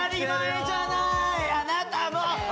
あなたも！